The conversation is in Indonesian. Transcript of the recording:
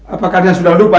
apakah kalian sudah lupa